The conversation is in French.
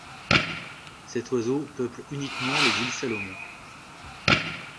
Cet oiseau peuple uniquement les îles Salomon.